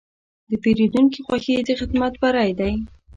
د پیرودونکي خوښي د خدمت بری دی.